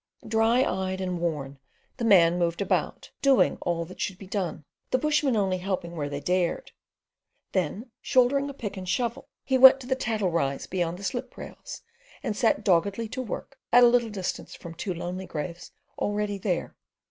Dry eyed and worn, the man moved about, doing all that should be done, the bushmen only helping where they dared; then shouldering a pick and shovel, he went to the tattle rise beyond the slip rails, and set doggedly to work at a little distance from two lonely graves already there.